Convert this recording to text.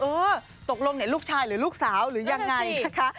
เออตกลงเนี่ยลูกชายหรือลูกสาวหรือยังไงนะคะ